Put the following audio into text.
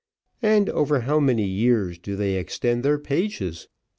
And over how many years do they extend their pages?